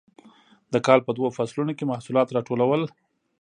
د کال په دوو فصلونو کې محصولات راټولول.